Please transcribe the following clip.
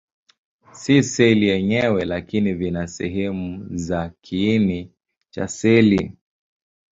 Si seli yenyewe, lakini vina sehemu za kiini cha seli.